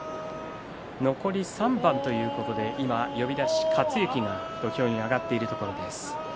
残り３番ということで今、呼出し克之が土俵にに上がっているところです。